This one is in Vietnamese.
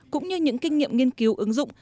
cũng như những kinh nghiệm nghiên cứu ứng dụng